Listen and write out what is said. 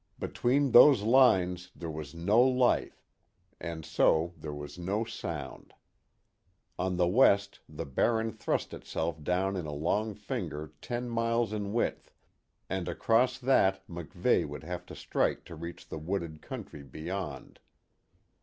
Between those lines there was no life, and so there was no sound. On the west the Barren thrust itself down in a long finger ten miles in width, and across that MacVeigh would have to strike to reach the wooded country beyond.